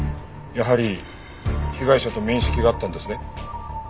やはり被害者と面識があったんですね。